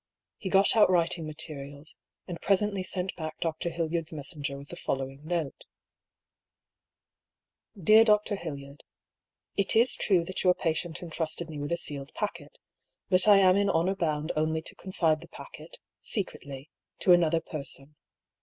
He got out writing materials, and presently sent back Dr. Hildyard's messenger with the following note :— A MORAL DUEL. 69 " Dear Dr. Hfldyard, — It is true that your patient entrusted me with a sealed packet, but I am in honour bound only to con fide the packet, secretly, to another person.